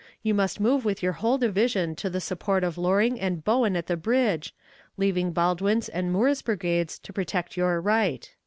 You must move with your whole division to the support of Loring and Bowen at the bridge, leaving Baldwin's and Moore's brigades to protect your right."